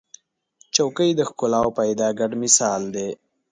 چوکۍ د ښکلا او فایده ګډ مثال دی.